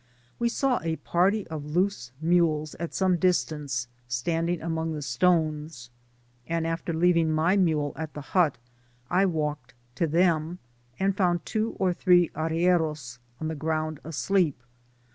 We saw a party of loose mules at some distance standing among the stones; and leaving my mule at the hut, I walked to them, and found two or three " arrieros'' on the ground asleep.